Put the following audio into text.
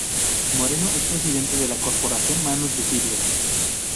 Moreno es presidente de la Corporación Manos Visibles.